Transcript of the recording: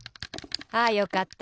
あよかった。